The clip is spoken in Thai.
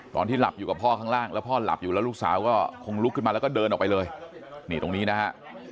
ตอนที่หลับอยู่กับพ่อข้างล่างแล้วพ่อหลับอยู่แล้วลูกสาวก็คงลุกขึ้นมาแล้วก็เดินออกไปเลยนี่ตรงนี้นะฮะ